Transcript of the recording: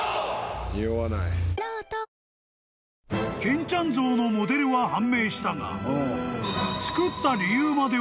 ［健ちゃん像のモデルは判明したが］